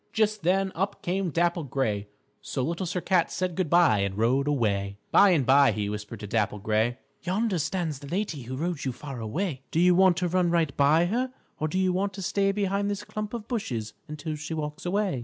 Just then up came Dapple Gray, so Little Sir Cat said good by and rode away. By and by, he whispered to Dapple Gray, "Yonder stands the lady who rode you far away. Do you want to run right by her, or do you want to stay behind this clump of bushes until she walks away?"